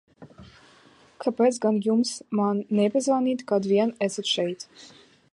Kāpēc gan jums man nepiezvanīt, kad vien esat šeit?